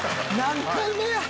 何回目や！